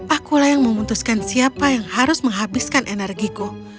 akulah yang memutuskan siapa yang harus menghabiskan energiku